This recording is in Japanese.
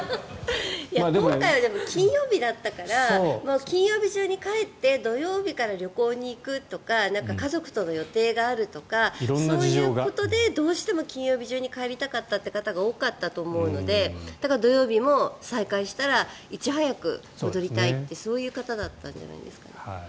今回は金曜日だったから金曜日中に帰って土曜日から旅行に行くとか家族との予定があるとかそういうことでどうしても金曜日中に帰りたかったという方が多かったと思うのでだから土曜日も再開したらいち早く戻りたいってそういう方だったんじゃないですかね。